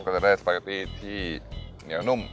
ก็จะได้สปาเกตตี้ที่เหนียวนุ่ม